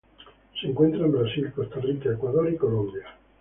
Se encuentra en Brasil, Costa Rica, Ecuador y Colombia.